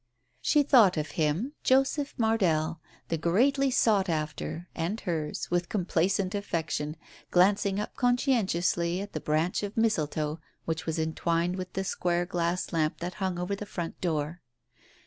She thought of him, Joseph Mardell, the greatly sought after, and hers, with complacent affection, glancing up consciously at the branch of mistletoe which was entwined with the square glass lamp that hung over the front door.